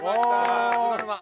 菅沼！